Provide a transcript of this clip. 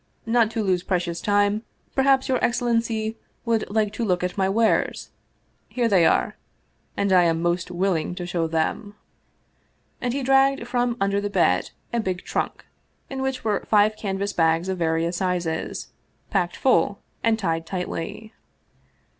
" Not to lose precious time, perhaps your excellency would like to look at my wares? Here they are and I am most willing to show them." And he dragged from under the bed a big trunk, in which were five canvas bags of various sizes, packed full and tied tightly.